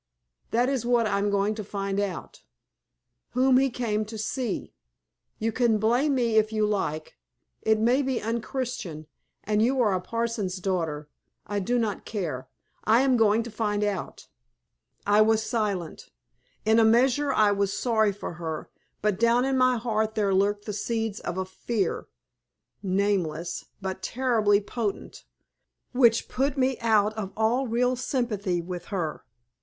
That is what I am going to find out whom he came to see. You can blame me if you like. It may be unchristian, and you are a parson's daughter. I do not care. I am going to find out." I was silent. In a measure I was sorry for her, but down in my heart there lurked the seeds of a fear nameless, but terribly potent which put me out of all real sympathy with her.